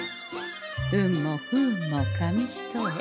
運も不運も紙一重。